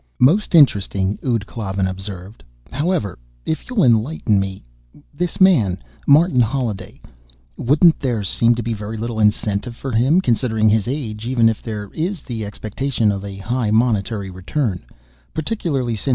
"Most interesting," ud Klavan observed. "However, if you'll enlighten me This man, Martin Holliday; wouldn't there seem to be very little incentive for him, considering his age, even if there is the expectation of a high monetary return?